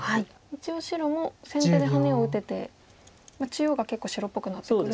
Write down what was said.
一応白も先手でハネを打てて中央が結構白っぽくなってくるので。